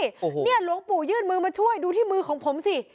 โอ้โหเนี่ยหลวงปู่ยื่นมือมาช่วยดูที่มือของผมสิ